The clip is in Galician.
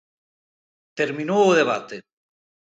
¡Terminou o debate!